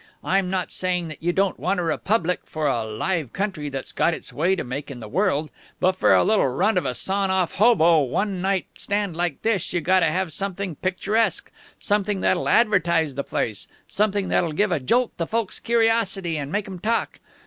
I'm not saying that you don't want a republic for a live country that's got its way to make in the world; but for a little runt of a sawn off, hobo, one night stand like this you gotta have something picturesque, something that'll advertise the place, something that'll give a jolt to folks' curiosity, and make 'em talk!